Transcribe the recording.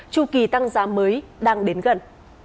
chu kỳ tăng giá mới đang đến gần